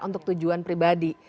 untuk tujuan pribadi